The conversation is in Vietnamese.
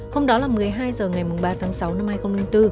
hôm đó là một mươi hai h ngày ba tháng sáu năm hai nghìn bốn